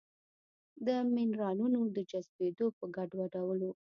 د مېنرالونو د جذبېدو په ګډوډولو